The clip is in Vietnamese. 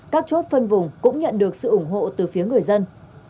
các chốt phân vùng cũng nhận được sự ủng hộ từ phía người dân